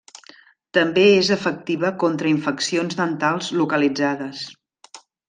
També és efectiva contra infeccions dentals localitzades.